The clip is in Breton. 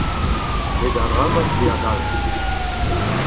Met arabat bezañ dall.